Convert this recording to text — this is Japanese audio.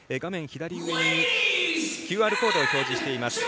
左上にＱＲコードを表示しています。